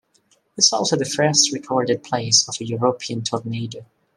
It's also the first recorded place of a European tornado.